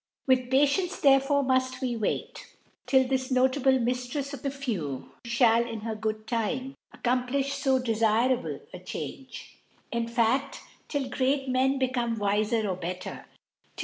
With Patience therefore muft we wait, till this notable Miftrefs of the Few fliall, in her good time, accomplifh fodefirablc a Change : In Fa6l, till Great Men become wif:r or better ; til!